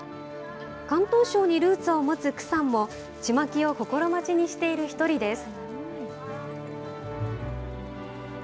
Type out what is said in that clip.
広東省にルーツを持つ区さんも、ちまきを心待ちにしている一人です。